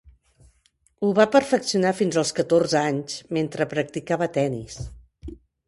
Ho va perfeccionar fins als catorze anys mentre practicava tennis.